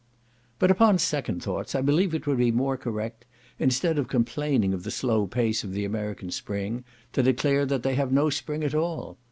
But, upon second thoughts, I believe it would be more correct, instead of complaining of the slow pace of the American spring, to declare that they have no spring at all.